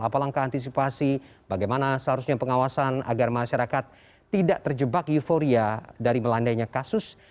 apa langkah antisipasi bagaimana seharusnya pengawasan agar masyarakat tidak terjebak euforia dari melandainya kasus